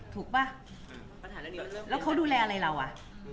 ถูกปะแล้วเขาดูแลอะไรเราอ่ะ